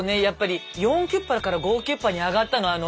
やっぱり４９８から５９８に上がったの